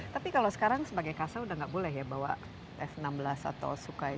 tapi kalau sekarang sebagai kasa udah nggak boleh ya bawa f enam belas atau sukai dua